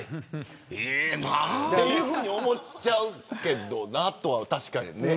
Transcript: ええな。というふうに思っちゃうけどなとは、確かに。